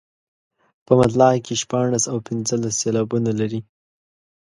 په مطلع کې شپاړس او پنځلس سېلابونه لري.